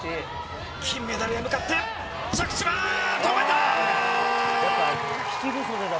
金メダルへ向かって、着地は？